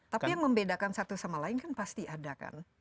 tapi yang membedakan satu sama lain kan pasti ada kan